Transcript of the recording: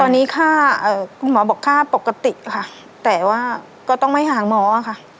ตอนนี้ค่าคุณหมอบอกค่าปกติค่ะแต่ว่าก็ต้องไม่หาหมอค่ะ